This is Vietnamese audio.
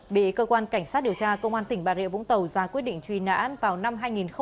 bị cơ quan cảnh sát điều tra công an tỉnh bà rịa vũng tàu ra quyết định truy nãn vào năm hai nghìn hai mươi ba